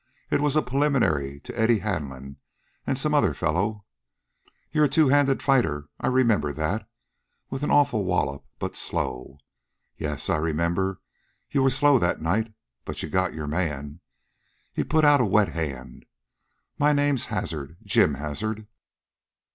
It was a preliminary to Eddie Hanlon and some other fellow. You're a two handed fighter, I remember that, with an awful wallop, but slow. Yes, I remember, you were slow that night, but you got your man." He put out a wet hand. "My name's Hazard Jim Hazard."